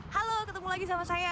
halo ketemu lagi sama saya